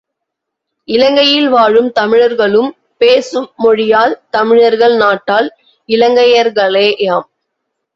இலங்கையில் வாழும் தமிழர்களும் பேசும் மொழியால் தமிழர்கள் நாட்டால் இலங்கையர்களேயாம்.